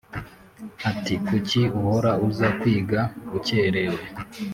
ati “kuki uhora uza kwiga ukererewe?”